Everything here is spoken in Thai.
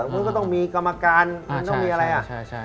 คุณก็ต้องมีกรรมการคุณต้องมีอะไรอ่ะ